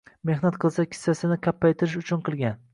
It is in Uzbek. Mehnat qilsa kissasini qappaytirish uchun qilgan